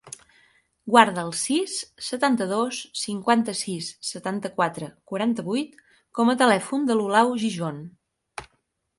Guarda el sis, setanta-dos, cinquanta-sis, setanta-quatre, quaranta-vuit com a telèfon de l'Olau Gijon.